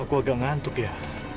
aku agak ngantuk ya